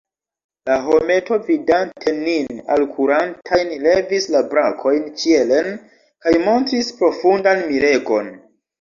La hometo, vidante nin alkurantajn, levis la brakojn ĉielen, kaj montris profundan miregon.